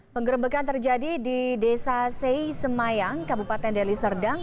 pengerebekan terjadi di desa sey semayang kabupaten deli serdang